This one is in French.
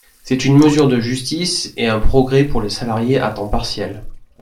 C’est une mesure de justice et un progrès pour les salariés à temps partiel.